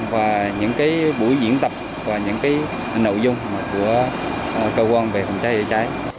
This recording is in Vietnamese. và những cái buổi diễn tập và những cái nội dung của cơ quan về phòng cháy chữa cháy